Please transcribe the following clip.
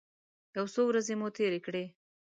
یو څو ورځې مو تېرې کړې.